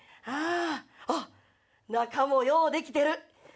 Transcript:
あっ中もようできてる。